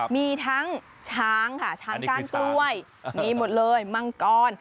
มีทั้งช้างค่ะช้างก้านกล้วยมีหมดเลยมังกร